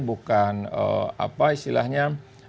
bukan apa istilahnya